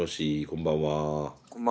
こんばんは。